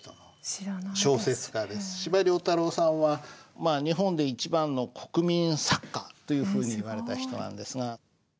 司馬太郎さんは日本で一番の国民作家というふうに言われた人なんですが。